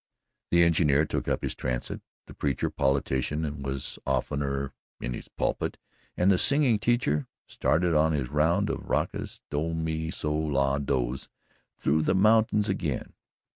The engineer took up his transit, the preacher politician was oftener in his pulpit, and the singing teacher started on his round of raucous do mi sol dos through the mountains again.